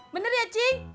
bener ya cing